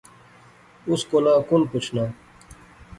اس کولا کُن پچھنا